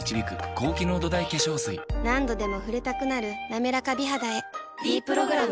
何度でも触れたくなる「なめらか美肌」へ「ｄプログラム」